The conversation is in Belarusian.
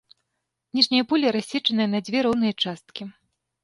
Ніжняе поле рассечанае на дзве роўныя часткі.